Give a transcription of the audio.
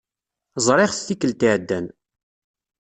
Ẓriɣ-t tikkelt iɛeddan.